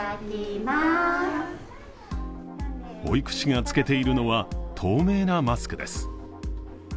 保育士が着けているのは透明なマスクです。